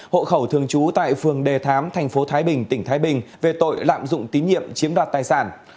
hộ khẩu thường trú tại phường đề thám thành phố thái bình tỉnh thái bình về tội lạm dụng tín nhiệm chiếm đoạt tài sản